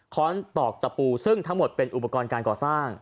้อนตอกตะปูซึ่งทั้งหมดเป็นอุปกรณ์การก่อสร้าง